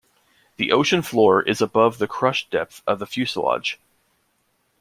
The ocean floor is above the crush depth of the fuselage.